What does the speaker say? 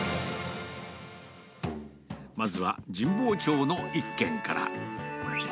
まずは、神保町の１軒から。